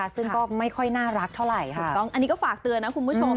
ซึ่งก็ไม่ค่อยน่ารักเท่าไหร่ถูกต้องอันนี้ก็ฝากเตือนนะคุณผู้ชม